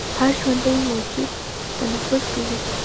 هر ژوندی موجود تنفس کوي